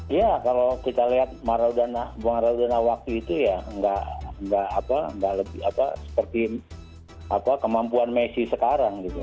iya kalau kita lihat maradona maradona waktu itu ya nggak apa apa seperti apa kemampuan messi sekarang gitu